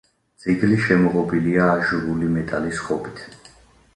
ძეგლი შემოღობილია აჟურული მეტალის ღობით.